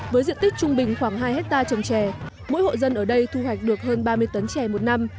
với diện tích trung bình khoảng hai hectare trồng trè mỗi hộ dân ở đây thu hoạch được hơn ba mươi tấn chè một năm